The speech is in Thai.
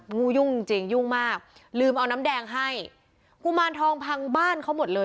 งูยุ่งจริงจริงยุ่งมากลืมเอาน้ำแดงให้กุมารทองพังบ้านเขาหมดเลย